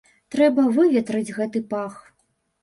Трэба выветрыць гэты пах.